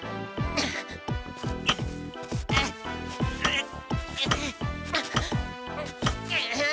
あっ！